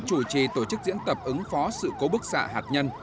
chủ trì tổ chức diễn tập ứng phó sự cố bức xạ hạt nhân